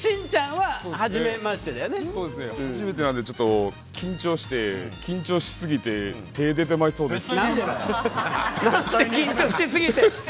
はじめてなので緊張して、緊張しすぎて手出てまいそうです。